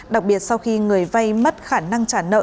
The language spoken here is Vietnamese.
đặc biệt sau khi người vay mất khả năng trả nợ